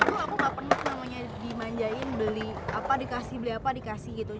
aduh aku gak pernah namanya dimanjain beli apa dikasih beli apa dikasih gitu